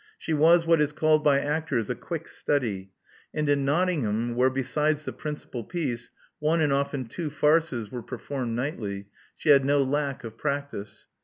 She was what is called by actors a quick study; and in Nottingham, where, besides the principal piece, one and often two farces were per formed nightly, she had no lack of practice.